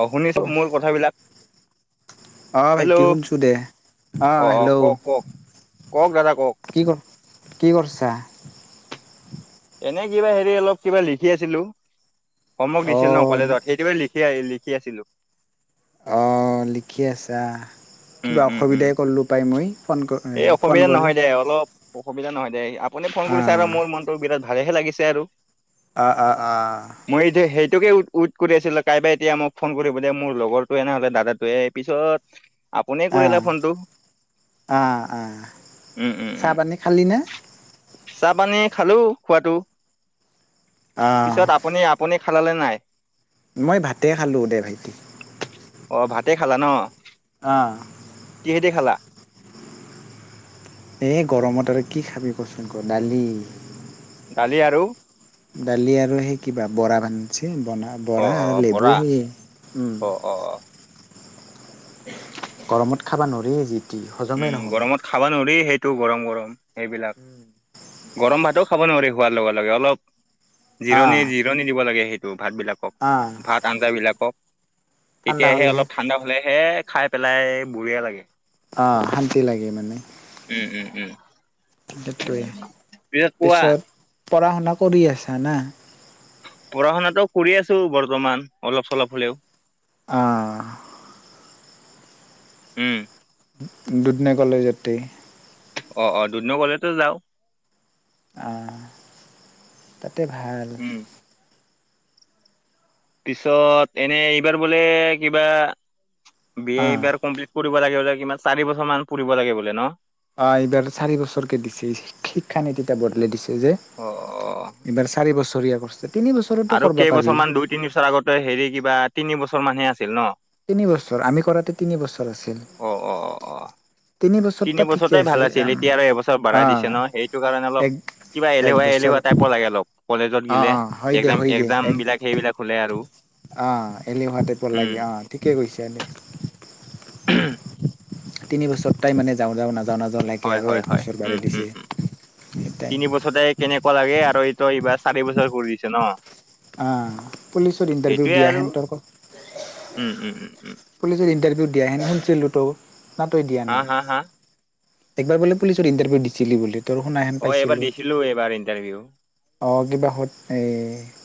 অ শুনিছো মোৰ কথাবিলাক। অ' ভাইটি শুনিছোঁ দে অ হেল্ল'। কওক কওক কওক দাদা কওক কি কৰ কি কৰিছা। এনে কিবা হেৰি অলপ কিবা লিখি আছিলো হম অক অ দিছিল ন কেইটাৱ লিখি সেয়াই লিখি আছিলো। অ লিখি আছা। উম কিবা উম উম অসুবিধাই কৰিলোঁ পাই মই ফোন এই ফোন কৰি দেই আপুনি ফোন অ কৰিছে আৰু মোৰ মনটো বিৰাট ভালেহে লাগিছে আৰু অ', অ', অ। টোকে ওৱেইট কৰি আছিল। কাইবাই এতিয়া মোক ফোন কৰিব দিয় মোৰ লগৰটোৱে নহ'লে দাদাটোৱে পিছত আপোনি অ কৰিলে ফোনটো অ', উম উম উম অ'চাহপানি খালি নে? চাহ পানী খালো খোৱাটো অ পিছত আপুনি আপুনি খালালে নাই। মই ভাতে খালোঁ দে ভাইটি। অ ভাতে খালা ন। অ কিহেদি খালা। এই গৰমত আৰু কি খাবি কচোন আকৌ দালি। দালি আৰু দালি আৰু সেই কিবা বৰা বান ব অ বৰা অ আৰু অ লেবু বৰা সেইয়ে অ অ অ গৰমত খাবা নৰা যি টি হজমেই উম নহ'ব গৰমত খাবা নোৱাৰি সেই টো গৰম গৰম সেইবিলাক গৰম ভাতো খাব নোৱাৰি হোৱাৰ লগে লগে অলপ অ জিৰণি জিৰণি দিব লাগে। সেইটো ভাত বিলাকক অ'। ভাত আঞ্জ বিলাকক ঠাণ্ডা তেতিয়াহে হ'লেহে। অলপ ঠাণ্ডা হলেহে খাই পেলাই বুঢ়িয়ে লাগে। আহ শান্তি লাগে মানে। উম উম উম সেইটোৱে পিছত কোৱা পিছত পঢ়া শুনা কৰি আছা না পঢ়া শুনাাতটো কৰি আছো বৰ্তমান অলপ চলপ হ'লেও আহঁ। উম। দুদনা কলে যতেই অ', অ' দুদনগলেতে যাওঁ। আহ তাতে ভাল। উম পিছত এনে এইবাৰ বোলে কিবা বি এ অ', এইবাৰ কমপ্লিট কৰি পুবাগে বোলে কিমান চাৰি বছৰ মান পুৰিব লাগে বলে ন অহ এইবাৰ চাৰি বছৰ কে দিছে শিক্ষা নীতি বদলাই দিছে যে অ অ এইবাৰ চাৰি বছৰীয়া কৰিছে। তিনি বছৰতো আৰু কৰিব পাৰি। কেইবছৰ মান দুই তিন বছৰ আগতে হেৰি কিবা তিন বছৰ মানহে আছিল ন তিনিবছৰ আমি কৰাতে তিনিবছৰ আছিল। অ অ অ অ তিনি বছৰতে ভাল আছিল এতিয়া আৰু এবছৰ বঢ়াই দিছে অ', ন সেইটো কাৰণে অলপ এক কিবা এক এলেহুৱা বছৰ এলেহুৱা টাইপৰ লাগে অলপ কলেজত অ', গিলে অ', হয় দে একজাম হয় দে, একজাম এক বিলাক সেইবিলাক হ'লে আৰু অ এলেহুৱা টাইপৰ উম লাগে অঁ ঠিকে কৈছেনে তিনি বছৰ তাই মে যাওঁ যাওঁ নাযো হয়, হয়, হয় উম, উম, উম তাই তিনি বছৰতে কেনেকুৱা লাগে আৰু তই এইবাৰ চাৰি বছৰ কৰি দিছে ন। আহ পুলিচত ইণ্টাৰভিউ সেইটোয়ে আৰু দিয়াহেনতৰক উম উম উম উম পুলিচত ইণ্টাৰভিউ দিয়াাহেন শুনছিলোঁতো নাটৈ দিয়া হা নাই। হা হা একবাৰ বোলে পুলিচৰ ইণ্টাৰভিউ দিছিলি বোলে তই শুনা হেন অ এইবাৰ পাইছিলো। দিছিলো এইবাৰ ইণ্টাৰভিউ অ', কিবা হত এই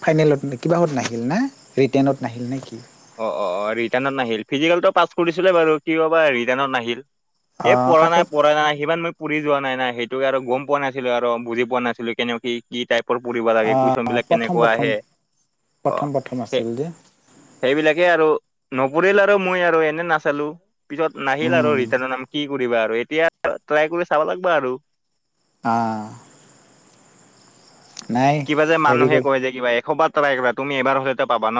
ফাইনেলত নে কিবাত নাহিল না ৰিটেনত নাহিল নে কি? অ অ অ ৰিটানত নাহিল ফিজিকেলটো পাছ কৰিছিলে বাৰু কিয় বা ৰিটানত নাহিল। অ এ কাট অফ পৰানাই-পৰানাই সিমান মই পঢ়ি কোৱা নাই না সেইটো আৰু গম পোৱা নাছিলো আৰু বুজি পোৱা নাছিলো কেনে কি-কি টাইপ। পৰ পঢ়িব লাগে কুইচনবিলাক প্ৰথম কেনেকুৱা প্ৰথম আহে অ, প্ৰথম প্ৰথম আছিল যে সে তাকে আৰু নপৰিল আৰু মই আৰু এনে নাচালো পিছত নাহিল আৰু উম ৰিটেনত নাম কি কৰিবা। এতিয়া ট্ৰাই কৰি চাব লাগব আৰু। আ', কিবা যে হেৰি মানুহে কৰি কয় যে কিবা এশবাৰ ট্ৰাইকৰা কিবা তুমি এবাৰ হলেতো পাবা ন।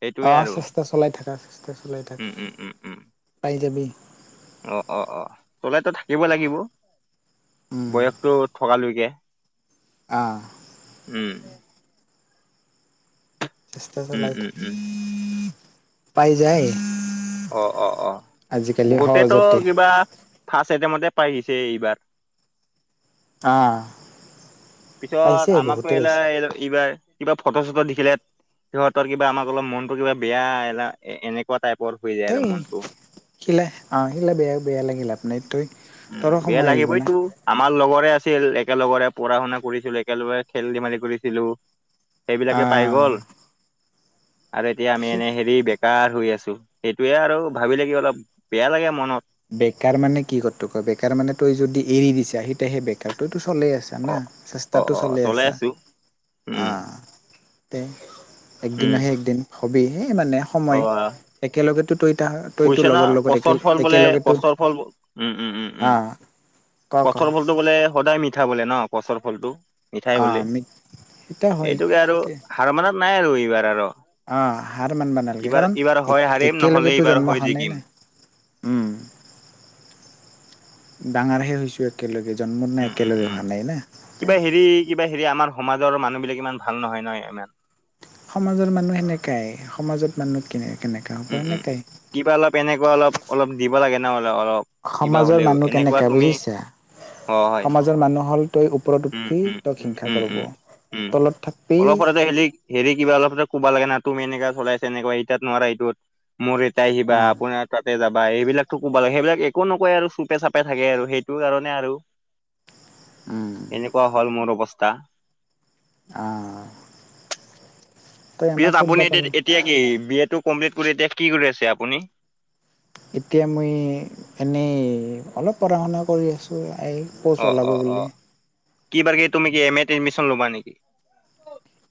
সেইটোয়ে অ', আৰু চেষ্টা চলাই থাকা, চেষ্টা চলাই থাকা উম পাই যাবি। অ'-অ'-অ', চলাইটো থাকিব লাগিব উম বয়সতটো থকালৈকে। আহ উম, চেষ্টা উম চলাই উম থাক উম পাই যায়। অ'-অ'-অ', আজিকালি বহুতেত সহজতে কিবা ফাষ্ট আইটেমতে। পাই গৈছে এইবাৰ। অ'। পিছত আমাকো এইলাৰ এইবাৰ। কিবা ফটো চটো দেখিলে সিহঁতৰ কিবা আমাক অলপ মনতো কিবা বেয়া এনেকুৱা টাইপ। এই শিলে আহিলে বেয়া, বেয়া লাগি লাফ নাই তই উম, তৰো বেয়া সময় আহিব না লাগিবইটো আমাৰ লগৰে আছি ছিল একেলগৰে পঢ়া- শুনা কৰিছিলো একেলগে খেল ধেমালি কৰিছিলো। সেইবিলাকে পাই আহ গ'ল। আৰু এতিয়া আমি সেই এনে হেৰি বেকাৰ হৈ আছো। সেইটোয়ে আৰু ভাবিলে কিবা অলপ বেয়া লাগে মনত। বেকাৰ মানে কি কতো কয়, বেকাৰ মানে তই যদি এৰি দিছা সেতোহে বেকাৰ তই তো। চলি আছে না, অ', অ', চেষ্টাটো অ', চলি চলাই আছে আছো উম, অ'তে। একদিন উম, নহয় একদিন হবি সেই মানে সময় অ'। একেলগো তই। ইটা', তইতো লগৰ লগত একে-একতা। কষ্টৰ ফল উম-উম-উম-উম, আহ ক ক কষ্টৰ ফলটো বুলে সদায় মিথা। মিঠা বুলে ন কষ্টৰ ফলটো মিঠাই বুলে আহ আমি এতিয়া সেইতোকে আৰু হয় হাৰ মানাত। নাই আৰু এইবাৰ আৰু। অ', হাৰ মানবা নালগে কাৰণ এইবাৰ-এইবাৰ এক হয় হাৰিম নহ'লে একেলগেতো এইবাৰ জন্ম হয় হোৱা নাই জিকিম। না। [inaudible] উম, ডাঙাৰহে হৈছো একেলগে। জন্মত নাই একেলগে উম-উম-উম হোৱা নাই না। কিবা হেৰি, কিবা হেৰি আমাৰ সমাজৰ মানুহ বিলাক। ইমান ভাল নহয় ন ইমান। সমাজৰ মানুহ সেনেকাই সমাজত মানুহ কে। উম-উম, কিবা অলপ এনেকুৱা অলপ, অলপ দিব লাগে ন। অলপ কিবা সমাজৰ হ'লেও মানুহ এনেকুৱা কেনেকা তুমি। বুজিছা অ', হয় সমাজৰ মানুহ হ'ল তই ওপৰত উম- উঠবি তোক হিংসা কৰব। উম-উম-উম-উম। উম, তলত থাকবি অলপতে হেলি হেৰি কিবা অলপতে কব লাগে না। তুমি এনেকা চলাইছে এনেকোৱা এতিয়াত নোৱাৰা এইটোত। মোৰ ইয়াতে আহিবা আপোনাৰ তাতে যাবা এইবিলাক। কোব লাগে সেইবিলাক একো নকয় আৰু চুপে চাপে থাকে আৰু সেইটো কাৰণে আৰু। উম, এনেকুৱা হ'ল মোৰ অৱস্থা। আ', পিছত আপুনি এ এতিয়া কি বি এটো কমপ্লিট কৰি এতিয়া কি কৰি আছে আপুনি? এতিয়া মই এনেই অলপ পঢ়া শুনা কৰি আছোঁ। এই প'ষ্ট ওলাব বুলি। অ'-অ'-অ', কি বাৰ গে তুমি কি এ মেত এডমিশন ল'বা নেকি।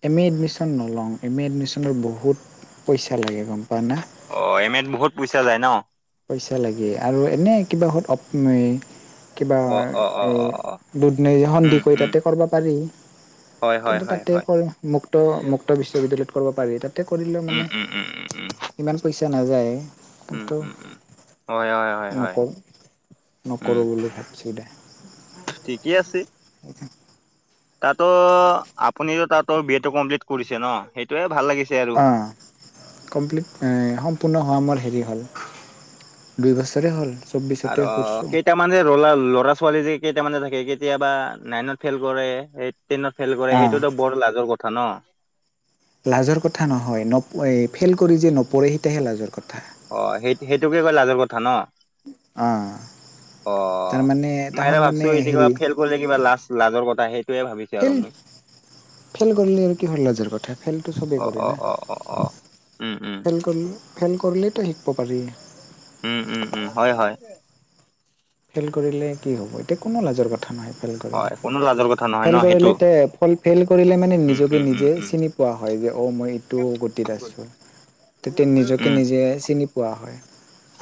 এম এ এডমিশ্যন নলওঁ এম এ এডমিশ্যনত বহুত, পইচা লাগে গম পোৱা না অ', এম এত বহুত পইচা যায় ন'? পইচা লাগে আৰু এনে কিবা হতপ কিবা অ অ অ এ, অ অ দুধনৈ উম সন্দিকৈ উম তাতে পৰবা পাৰি। হয় হয় কিন্তু হয় তাতে হয় কৰে মুক্ত-মুক্ত বিশ্ববিদ্যয়ালয়ত কৰবা পাৰি তাত কৰিলেও উম মানে উম উম উম উম ইমান পইচা নাযায় উম কিন্তু উম উম হয় হয় হয় হয় নকৰ উম নকৰোঁ বুলি ভাবিছোঁ দে। ঠিকে আছে। তাতো আপুনিতো তাতো বি এটো কমপ্লিট কৰিছে ন সেইটোৱে। অ' কমপ্লিট সম্পূৰ্ণ হোৱা মোৰ হেৰি ভাল, দুই বছৰে হ'ল। চৌব্বিছতে আৰু কৰিছোঁ কেইটামান যে ৰ ল'ৰা ছোৱালী যে কেইটামানে কেতিয়াবা নাইনত ফেইল কৰে সেই টেনত ফেইল কৰে অঁ সেইটোতো বৰ লাজৰ কথা। তন লাজৰ কথা নহয়, নপ ফেইল কৰি যে নপৰে সেইটাহে লাজৰ কথা। অ', সেইটো সেইটোকে কয় লাজৰ কথা ন'। অ অ তাৰমানে মই তাহন এটা ভাবিছো মানে এতিয়া হেৰি কিবা ফেইল কৰিলে কিবা লাজ লাজৰ কথা সেই [unintelligible] ভাবিছে ফেইল আৰু মই। ফেইল কৰলে আৰু কিহৰ লজৰ কথা ফেইলটো চবেই অ কৰে অ না। অ অ অ উম উম ফেইল কৰলে ফেইল কৰলেতো শিকব পাৰি। উম, উম, উম। হয়, হয়। ফেইল কৰিলে কি হ'ব এতিয়া কোনো লাজৰ কথা নাই। হয় কোনো লাজৰ কথা নহয় ন ফেই সেইটো কৰিলে তে ফেইল কৰিলে মানে উম নিজকে উম উম নিজে উম চিনি পোৱা হয়। যে অ', মই এইটো গতিত আছোঁ। তেতিয়া নিজকে উম নিজে চিনি পোৱা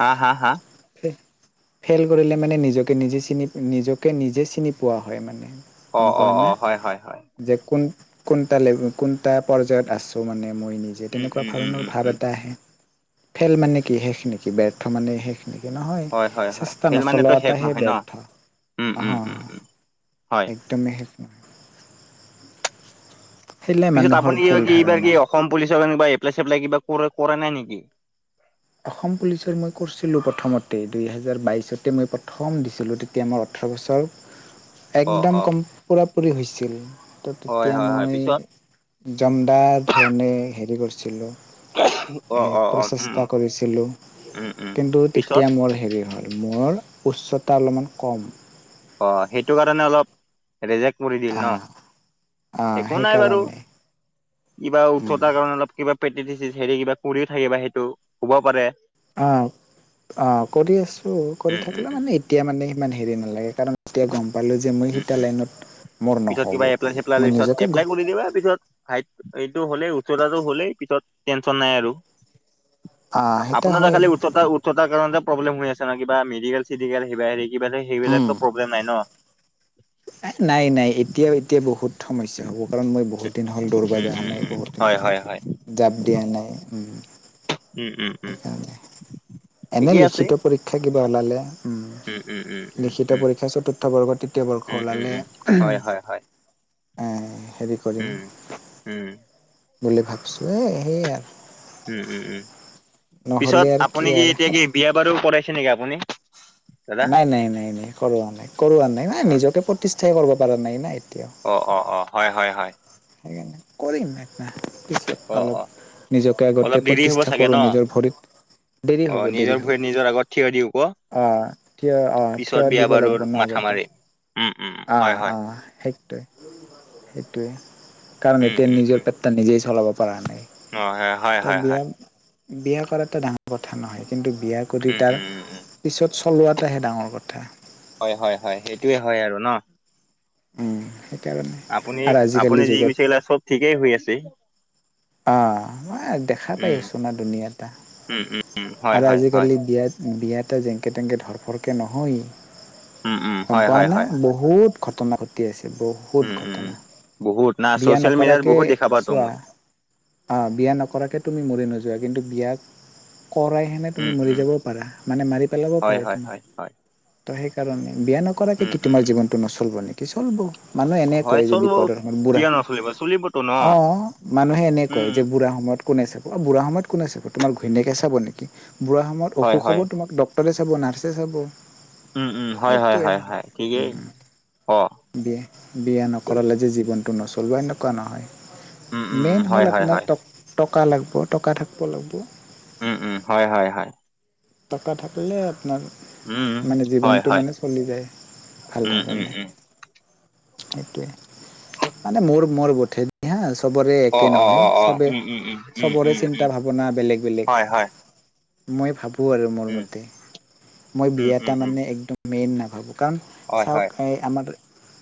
হা হা হা ফেইল কৰিলে মানে নিজকে নিজে চিনি নিজকে নিজে চিনি পোৱা হয় মানে। অ অ অ হয় হয় হয় [unintelligible] যে কোন কোনটা ল কোনটা পৰ্যায়ত আছোঁ মানে মই নিজে উম, তেনেকুৱা উম, উম, ধৰণৰ উম, ভাৱ উম। এটা আহে। ফেল মানে কি শেষ নেকি ব্যৰ্থ মানে শেষ নেকি নহয়, হয়, হয়, হয়। চেষ্ট ফেইল নচলোৱা মানেতো এটা শেষ হে নহয় ন? বৰ্থ উম, আহ উম, উম, আহ উম, হয়। একদমেই ন [unintelligible] পিছত আপুনি কিব কি এইবাৰ কি অসম পুলিচৰ কাৰণে কিবা এপ্লাই চপ্লাই কিবা কৰে কৰে নাই নেকি? অসম পুলিচৰ মই কৰছিলোঁ প্ৰথমতে দুহেজাৰ বাইছতে মই প্ৰথম দিছিলোঁ তেতিয়া মই ওঠ ওঠৰ বছৰ অ', একদম অ', কম পোৰাপুৰি হৈছিল। হয়, তেতিয়া হয়, হয়। পিছত মই জমদাৰ ধৰণে হেৰি কৰিছিলোঁ। অ অ অ উম। এটা কৰিছিলোঁ উম, উম। কিন্তু পিছত তেতিয়া মোৰ হেৰি হয় মোৰৰ উচ্চতা অলপমান কম। অ সেইটো কাৰণে অলপ ৰেজেক্ট কৰি দিল ন। আহ আহ একো নাই বাৰু সেইকাৰণে কিবা উম উঠতাৰ কাৰণে অলপ কিবা প্ৰেকটিছ হেৰি কিবা কও থাকিবা সেইটো হ'ব পাৰে। অ', অ' কৰি আছোঁ কৰি উম, উম, থাকিলে উম, মানে এতিয়া মানে ইমান হেৰি নালাগে কাৰণ এতিয়া গম পালো যে মই উম, সীতা উম। লাইনত মোৰ পিছত নহ'ব কিবা এপ্লাই মই চপলাই পিছত নিজকে এপ্লাই গম কৰি দ আৰু পিছত ভাইট এইটো হ'লেইঠ টো হ'লেই পিছত টেনচন নাই আৰু আহ সেইটা আপোনাৰ ত হয় খালি উ উওঠতাৰ কাৰণ প্ৰব্লেম হৈ আছে ন কিবা মেডিকেল চিডেল সেই হেৰি কিবাতে সেইবিলাকত উম প্ৰব্লেম নাই ন। নাই নাই এতিয়াও এতিয়া বহুত সমস্যা হ'ব পাৰে মই বহুত বহু দিন হ'ল দৌৰবা যোৱা উম উম নাই উম বহুত দিন হয় হয় হয় জাপ দিয়া নাই। ওম। উম উম উম স এনে ঠিকেই আছে লিখিত পৰীক্ষা কিবা ওলালে উম উম উম উম লিখিত উম পৰীক্ষা চতুৰ্থ বৰ্গৰ তৃতীয় বৰ্ষ উম উম খলালে উম হয় হয় হয় হেৰি কৰিম উম উম বুলি ভাবিছোঁ এ সেয়ে আৰু উম উম উম পিছত নহ'লে আৰু আপুনি কি আৰু এতিয়া কি বিয়া বাৰু কৰাইছে। চ নেকি আপুনি দাদা নাই নাই নাই নাই কৰোৱা নাই কৰোৱা নাই নাই নিজকে প্ৰতিষ্ঠাই কৰিব পৰা নাই না। এতিয়াও অ অ অ হয় হয় হয় সেইকাৰণে কৰিম পিছত অ অ অলপ নিজকে অলপ আগতে দেৰি হ'ব প্ৰতিষ্ঠা চাগে ন কৰো নিজৰ ভৰিত দেৰি অ হ'ব দেৰি নিজৰ ভৰিত হ'ব নিজৰ আগত থিয় দি হ'ব অ। থিয় আহ পিছত থিয় বিয়া দিব বাৰুৰ লাগিব ন মাথা আগতে। মাৰি উম উম হয় আহ অ হয় সেইটোৱে সেইটোৱে কাৰণ উম এতিয়া উম উম নিজৰ পেটটা নিজেই চলাব পৰা নাই অ হয় হয় তো হয় হয় বিয়া বিয়া কৰাটো ডাঙৰ কথা নহয় কিন্তু বিয়া কৰি উম, তাৰ উম, উম, উম, পিছত। চলোৱাটহে ডাঙৰ কথা হয় হয় হয় সেইটোোৱে হয় আৰু ন উম সেইকাৰণে আপুনি আৰু আপুনি আজিকালি যি যুগত বিচাৰিলে চব ঠিকেই হৈ আছে অঁ ম দেখা উম, পায়ছোনা ধুনীয়া এটা উম, উম, উম, হয়, আৰু হয়, হয়, আজিকালি বিয়াত বিয়া এটা যেংকে তেংকে ধৰফৰকে নহয়। উম, উম, গম হয়, পোৱা হয়, নাই হয়, হয় বহুত ঘটনা ঘটি আছে বহুত উম, উম, উম। ঘটনা বহুত না বিয়া চচিয়েল মিডিয়াত নকৰাকে বহুত দেখা পাতো চোৱা মই। অ বিয়া নকৰাকৈ তুমি মৰি নোযোৱা কিন্তু বিয়াত কৰাইহেনে তুমি উম, মৰি উম, যাব পাৰা মানে মাৰি পেলাব হয়, পাৰে হয়, তোমাক হয়, হয়, তো সেইকাৰণে বিয়া নকৰাকে উম, কি উম, তোমাৰ উম, জীৱনতটো নচলিব নেকি চলিব মানুহে এনে হয়, কয় যে চলিব বিপদৰ। সময়ত বুঢ়া কিয় নচলিব চলিবতো ন? অ মানুহে এনে কয় উম, যে বুঢ়া সময় কনে চাব বুঢ় সময়ত কোনে চ তোমাৰ ঘৈণীয়েকে চাব নেকি বুঢা সময়ত হয়, অসখ হব হয়, তোমাক ডকটৰে চাব নাৰ্ছেে চাব উম উম হয় হয় সেইটোৱে হয় হয় ঠিকেই উম, অ', বিয়া বিয়া নকৰালে যে জি। উম, উম, উম হয়, হয়, হয়, [unintelligible] টকা লাগিব টকা থাকিব লাগিব উম উম হয় হয় হয় টকা থাকিলে। আপোনাৰ উম, মানে হয়, জীৱনটো হয়, মানে চলি যায় ভাল উম, উম, ধৰণে উম। সেইটোৱে মানে মোৰ মোৰ গোঠে দি হা। চবৰে অ একে অ নহয় অ অ চবেই উম উম উম উম চবৰে উম উম চিন্তা ভাৱনা বেলেগ বেলেগ হয় হয় মই ভাবোঁ আৰু মোৰ উম মতে মই উম বিয়া উম এটা উম মানে একদম মেইন নাভাবোঁ কাৰণ হয় হয় চাওক এই আমাৰ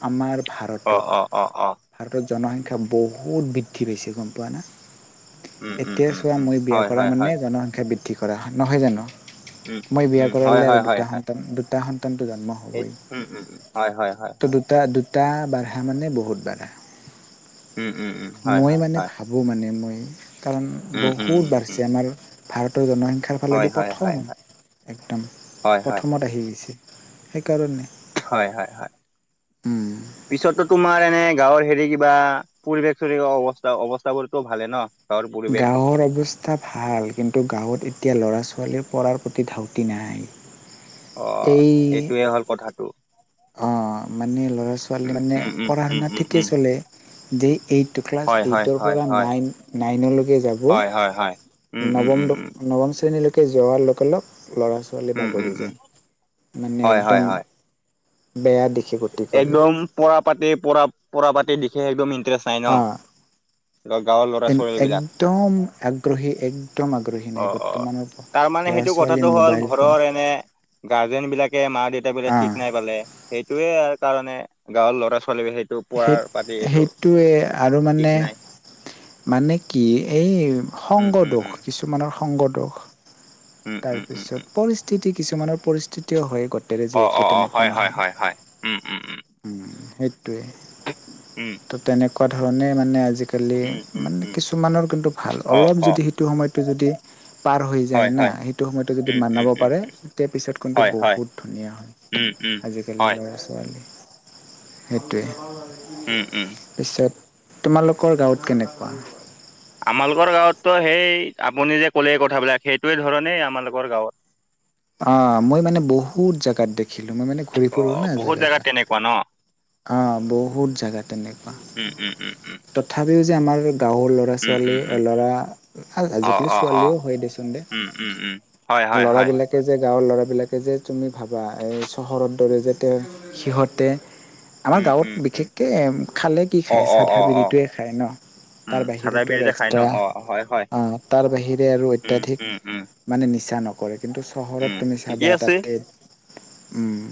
আমাৰ অ ভাৰতত অ অ অ। ভাৰতৰ জনসংখ্যা বহুত বৃদ্ধি পাইছে গম পোৱা না উম উম এতিয়া উম চোৱা উম মই বিয়া হয় কৰা হয় মানে হয় জনসংখ্যা বৃদ্ধি কৰা নহয় জানো উম মই বিয়া উম হয় কৰালে আৰু হয় হয় দুটা হয় সন্তান দুটা সন্তান প্ৰটো জন্ম সেই হবই উম উম উম হয় হয় হয় ত হয় দুটা দুটা এটা বঢ়া মানে বহুত বঢ়া উম উম উম হয় মই হয় মানে হয় ভাবোঁ মানে মই কাৰণ উম উম বহুত উম উম বাঢ়িছে আমাৰ ভাৰতৰ জনসংখ্যাৰ হয় ফালেদি। হয় হয় প্ৰথম হয় একদম হয় হয় প্ৰথমত আহি গৈছে সেইকাৰণে হয় হয় হয় উম পিছতো তোমাৰ এনে গাঁৱৰ হেৰি। বা পৰিৱেশ চৰি অৱস্থা অৱস্থাাবোৰতো ভালে ন গাঁৱৰ পৰিৱেশ গাঁৱৰ অৱস্থা ভাল কিন্তু গাঁৱত এতিয়া ল'ৰা ছোৱালী পঢ়াৰ প্ৰতি ধাউতি নাই। অ, সেইটোৱে হ'ল কথাটো। অঁ মানে ল'ৰা ছোৱালী উম মানে উম উম পঢ়া উম শুনা উম ঠিকে উম চলে যে এইট ক্লাছ হয় হয় এইটৰ হয় পৰা হয় নাইন নাইনলৈকে যাব হয় হয় হয় উম উম নৱম উম দ উম নৱম শ্ৰেণীলৈকে যোৱাৰ লগে লগপ ল'ৰা ছোৱালী উম উম বাগৰি উম যায় মানে হয় হয় একদম হয় বেয়া দিশে গতি কৰে একদম পৰা পাতে পৰা - পৰা পাতে দিখে একদম ইণ্টাৰেষ্ট নাই ন। গাঁৱৰ ল'ৰা এ- ছোৱালী বিলাক একদম আগ্ৰহী - একদম আগ্ৰহী নাই বৰ্তমানৰ তাৰ মানে ল'ৰা সেইটো ছোৱালী কথাটো হ'ল মোবাইল ফোন ঘৰৰ এনে গাৰ্জেন বিলাকে মা দেউতা বোলে আহ ঠিক নাই পালে সেইটয়ে। য়াৰ কাৰণ গাঁৱৰ ল'ৰা ছোৱালী বি সেই সেই সেইটোৱে আৰু ঠিক মানে নাই মানে কি এই উম উম উম সংগদোষ কিছুমানৰ সংগদোষ উম উম উম তাৰপিছত উম পৰিস্থিতি কিছুমানৰ পৰিস্থিতিও হৈ গছে হতেৰে অ যে অ একে অ তেনেকুৱা হয় হয় নহয় হয় হয় উম উম উম সেইটোৱে উম ত তেনেকুৱা ধৰণে মানে আজি আজিকালি উম উম মানে উম কিছুমানৰ কিন্তু ভাল অ অলপ অ যদি সেইটো সময়টো যদি। পাৰ হৈ যায় হয় না হয় সেইটো সময়তো যদি উম উম বনাব উম পাৰে তেয়া পিছত কিন্তটো হয় হয় বহুত ধুনীয়া উম হয় উম আজিকালি হয় লৰা ছোৱালী সেইটোৱে উম উম পিছত তোমালোকৰ গাঁৱত কেনেকুৱা আমালোকৰ গাঁৱতো সেই আপুনি যে কলে কথাবিলাক সেইটোোৱে ধৰণেই আমালোকৰ গাঁৱত। [inaudible] অ মই মানে বহুত জোগাত দেখিলোঁ মই মানে ঘূৰি ফুুৰোঁ অ' না বহুত জেগাত জেগা। তেনেকুৱা ন? অ' বহুত জোগা তেনেকুৱা উম, উম, উম, উম, তথাপিও যে আমাৰ গাৱৰ ল'ৰা উম, ছোৱালী উম, উম। ল'ৰা অ', আজিকালি অ', অ', ছোৱালীও হয় দিচোন দে উম, উম, উম। হয়, হয়, ল'ৰা হয়। বিলাকে যে। গাঁৱৰ ল'ৰাবিলাকে যে তুমি ভাবা এই চহৰ দৰে যে তেওঁ সিহঁতে আমাৰ উম, উম, গাঁৱত উম। বিশেষকে খালে কি অ', খায় অ', চাধা অ', অ'। বিধটোৱে খায় ন' উম, তাৰ চাদা বাহিতো বিৰি আৰু যে খাই ন? অ' হয়, হয়। এক্সট্ৰা তাৰ বাহিৰে আৰু উম, অত্যাধিক উম, উম, মানে নিচা নকৰে কিন্তু চহৰত উম। তুমি চাবা ঠিকেই আছে। তাতে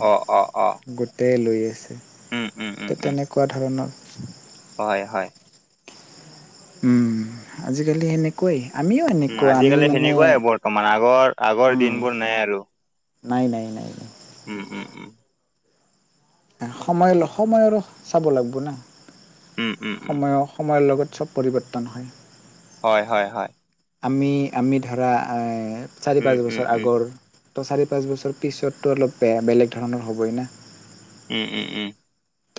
অ', অ', অ'। গোটেল। উম, উম, উম, উম। তেনেকুৱা ধৰণৰ হয় হয় উম আজিকালি সেনেকুৱাই আমিও উম, এনেকুৱা আমি আজিকালি মানে সেনেকুৱাই বৰ্তমান আগৰ আগৰ উম দিনবোৰ নাই আৰু নাই নাই ন ন উম উম উম সময়ৰ সময়ৰো চাব লাগিব না উম, উম, উম। সময়ৰ সময়ৰ লগত চব পৰিৱৰ্তন হয় হয়- হয়- হয়। আমি - আমি ধৰা চাৰি উম, পাচ উম, বছৰ উম। আগৰ ত' চাৰি পাঁচ বছৰ পিছততো অলপেয়া বেলেগ ধৰণৰ হ'বই না উম উম উম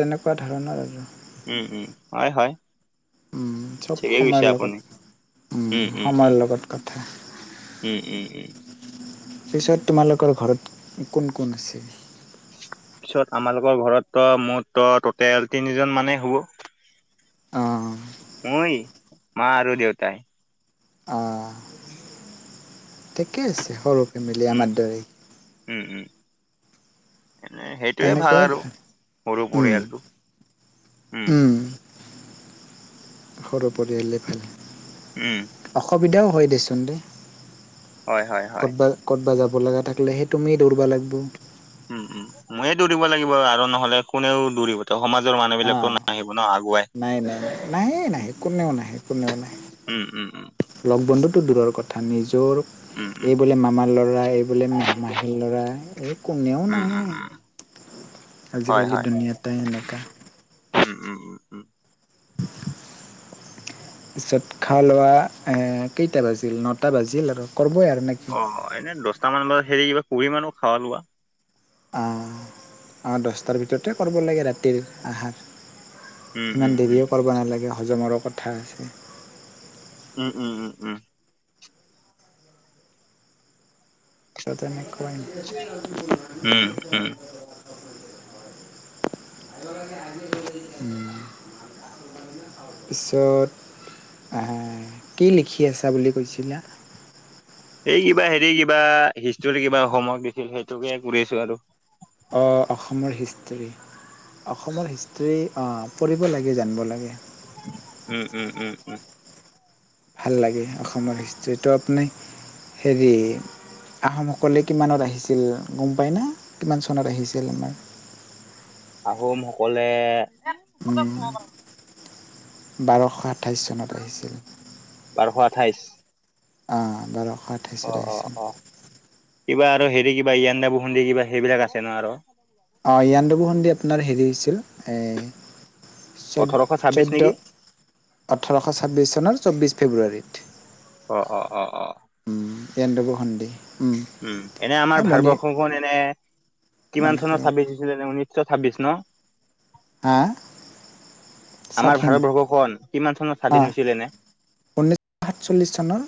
তেনেকুৱা ধৰণৰ আৰু উম উম হয় হয় উ চব ঠিকেই কৈছে সময়ৰ আপুনি। লগত উ উম, উম, উম, সময়ৰ লগত কথা উম - উম - উম। পিছত তোমালোকৰ ঘৰত কোন কোন আছে? পিছত আমালোকৰ ঘৰত ত মোৰ ত টোটেল তিনিজন মানেই হ'ব। অঁ ম‌ই, মা আৰু দেউতাই অ, ঠিকে আছে সৰু ফেমিলি উম, আমাৰ দৰেই উম, উম, এনে সেইটোয়ে ভাল আৰু সৰু উম পৰিয়ালটো, উম সৰু পৰিয়ালে ভালে। উম সুবিধাও হয় দেচোন দে হয়, হয়, হয়। ক'তবা ক'তবা যাব লগা থাকিলে সেই তুমিয়েই দৌৰিব লাগিব। উম উম ময়ে দৌৰিব লাগিব আৰু নহ'লে কোনেও দৌৰিব তো অ' নাই নাই, নাহে নাহে কোনেও নাহে কোনেও নাহে উম উম উম লগ বন্ধুৰ টো দূৰৰ কথা, নিজৰ উম, উম, এই বোলে মামাৰ ল'ৰা এই বোলে মা মাহীৰ ল'ৰা এই কোনেও উম, নাহে উম, উম, হয়, আজিকালি হয়, দুুনীয়াটো সেনেকা উম উম উম পিছত খাৱা-লোৱা কেইটা বাজিল, নটা বাজিল আৰু। কৰবই আৰু নেকি অ' এনে দচটা মান বজাত হেৰি কিবা কৰিম আৰু খাৱা-লোৱা। অঁ অঁ দচটাৰ ভিতৰতে কৰিব লাগে ৰাতিৰ আহাৰ উম, উম, ইমান উম, দেৰিও কৰিব নালাগে হজমৰো কথা আছে উম উম উম উম তে তেনেকুৱা উম, উম। [inaudible] পিছত অঁ কি লিখি আছা বুলি কৈছিলা? এই কিবা হেৰি কিবা হিষ্ট'ৰী কিবা অসমৰ দিছিল সেইটোকে কৰি আছো আৰু অঁ অসমৰ হিষ্ট্ৰী অসমৰ হিষ্ট্ৰী অ' পঢ়িব লাগে জানিব লাগে উম উম উম উম ভাল লাগে অসমৰ হিষ্ট্ৰ্ৰীটো আপুনি হেৰি আহোমসকলে কিমানত আহিছিল গম পায় না? কিমান চনত আহিছিল আমাৰ? আহোমসকলে উম বাৰশ সাত আঠাইশ চনত আহিছিল। বাৰশ আঠাইশ অঁ বাৰশ আঠাইছত অ' আহিছিল অ' অ', কিবা আৰু হেৰি কিবা ইয়ান্দাবু সন্ধি কিবা সেইবিলাক আছে ন আৰু? অঁ ইয়ান্দাবু সন্ধি আপোনাৰ হেৰি হৈছিল এ চৈধ ওঠৰশ ছাব্বিশ নেকি? চৈধ্য, ওঠৰশ ছাব্বিশ চনৰ চৌব্বিছ ফেব্ৰুৱাৰীত। অ', অ', অ', অ', ইয়াণ্ডাবু সন্ধি উম এনে আমাৰ মণি ভাৰতবৰ্ষখন এনে কিমান চনত মণিপুৰ স্বাধীন হৈছিলে নে ঊনৈশ ঊনৈশ ছাব্বিশ ন? হা আমাৰ স্বাধীন ভাৰতবৰ্ষখন কিমান চনত স্বাধীন অঁ হৈছিল এনে? ঊনৈছশ সাতচল্লিছ চনৰ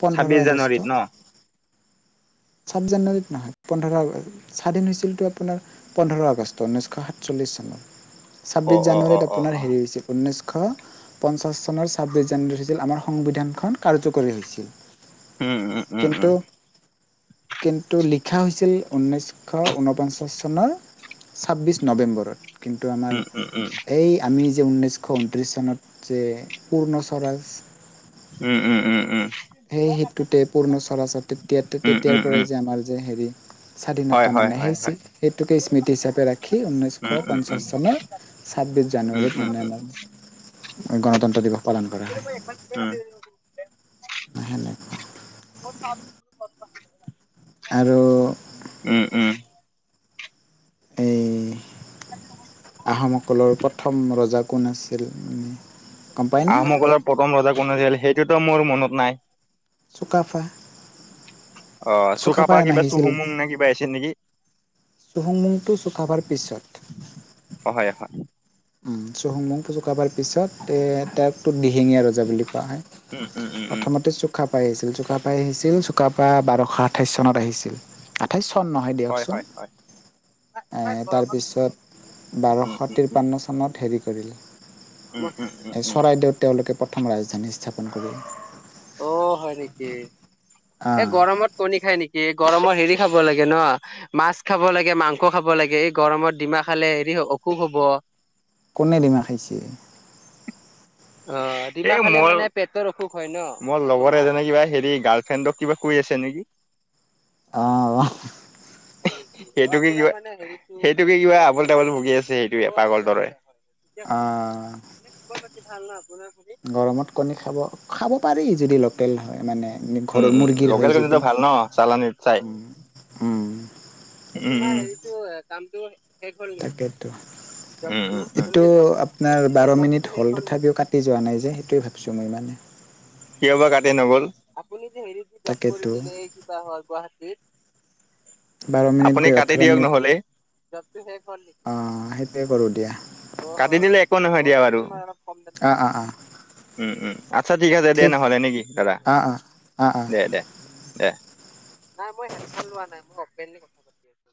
পোন্ধৰ ছাব্বিশ জানুৱাৰীত আগষ্ট ন'? ছাব্বিশ জানুৱাৰীত নহয়, পোন্ধৰ আগষ্ট স্বাধীন হৈছিলতটো আপোনাৰ পোন্ধৰ আগষ্ট ঊনৈছশ সাতচল্লিশ চনৰ ছাব্বিশ অ', অ', অ', জানুৱাৰীত অ', আপোনাৰ অ', হেৰি হৈছে ঊনৈশ শ পঞ্চাশ চনৰ ছাব্বিশ জানুৱাৰী হৈছিল আমাৰ সংবিধানখন কাৰ্যকৰী হৈছিল। উম, উম, উম, উম, কিন্তু কিন্তু লিখা হৈছিল ঊনৈশ ঊনপঞ্চাশ চনৰ ছাব্বিশ নৱেম্বৰত, কিন্তু আমাৰ উম, উম, উম। এই আমি। ঊনৈশ ঊনত্ৰিশ চনত যে পূৰ্ণ স্বৰাজ উঁম, উঁম উঁম, উঁম। সেই সেইটোতে পূৰ্ণ স্বৰাজৰ তেতিয়াতে উম, তেতিয়াৰ উম, উম। পৰাই যে আমাৰ যে হয়, স্বাধীনতা হয়, মানে হয়, সেই চি হয়। সেইটোকে স্মৃতি হিচাপে ৰাখি, ঊনৈশ উম, উম, উম, পঞ্চাশ চনত ছাব্বিশ উম, উম, জানুৱাৰীত, মানে উম, আমাৰ গণতন্ত্ৰ দিৱস পালন কৰা হয়। উম। নাহেনেকা ব [unintelligible] [unintelligible] আৰু উঁম, উঁম। এই আহোমসকলৰ প্ৰথম ৰজা কোন আছিল? গম পাই না আহোমসকলৰ প্ৰথম ৰজা কোন আছিল, সেইটোতো মোৰ মনত নাই। চুকাফা। অ' চুকাফা। কিবা চুহুংমুং নে? কিবা আছিল নেকি? চুহুংমুংটো চুকাফাৰ পিছত ভাল [unintelligible] চুহুংমুং চুকাফাৰ পিছত এ [inaudible] দিহিঙীয়া ৰজা বুলি কোৱা হয় উম, উম, উম, উম। প্ৰথমতে চুকা ছিল চুকাফাই আহিছিল চুকাফাই বাৰশ আঠাইছ চনত আহিছিল প্ৰথন নহয় হয়, দিয়কচোন হয়, হয়। তাৰ পিছত, বাৰশ উম, উম, উম, ত্ৰিপন্ন চনত হেৰি উম, উম, উম, কৰিলে উম। চৰাইদেউত তেওঁলোকে প্ৰথম ৰাজধানী স্থাপন কৰিলে। অ' হয় নেকি? এই আহ গৰমত কণী খায় নেকি? গৰমত হেৰি খাব লাগে ন, মাছ খাব লাগে, মাংস খাব লাগে? এই গৰমত ডিম খালে হেৰি হ কো হ'ব। কোনে ডিমা খাইছিয়ে? অ পেটৰ অসুখ হয় ন? মোৰ লগৰ এজনে গালফ্ৰেণ্ডক কৈ এ ছে নেকি? অহ। সেইটোৱে কিবা আবোল-তাবোল বকি আছে। সেইটোৱে পাগল দৰে। কেতিয়া কৈছা আপুনি, আহ এনে খবৰ পাতি ভাল নহয় আপোনাৰ? গৰমত কণী খাব পাৰি, যদি লোকেল কণী হয়, মানে উঁম, ঘৰৰ উঁম মুৰ্গীৰ লোকেল হয় কণীটো যদি ভাল ন, চালানীত চাই? উম উম উমঁ, উমঁ--কামটো তাকে তেতো। এইটো আপোনাৰ বাৰ মিনিট হ'ল, তথাপিও কাটি যোৱা নাই যে। সেইটোৱেই ভাবিছোঁ। যমেইমানানে [unintelligible] কিয় বা কাতি নগল তাকেতো [unintelligible] [inaudible] বাৰ মিনিট আপুনি গৈ কাটি ওঠৰ দিয়ক, মিনিট নহ'লে। অ সেইটোৱে কৰোঁ দিয়া কাটি দিলে। নহয়, দিয়ক বাৰু। অ অ অ উঁম, উঁম--আচ্ছা, ঠিক আছে। দে, নহ'লে নেকি, দাদা? অ অ অ অ দে, দে। নাই, মই হেডফোন লোৱা নাই। মই ওপেনলীয়ে কথা পাতি আছোঁ।